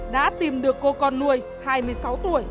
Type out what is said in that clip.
đã tìm được cô con nuôi hai mươi sáu tuổi